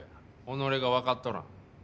己がわかっとらん。